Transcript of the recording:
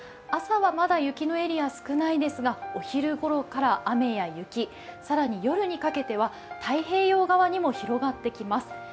朝はまだ雪のエリア少ないですが、お昼ごろから雨や雪、更に夜にかけては太平洋側にも広がってきます。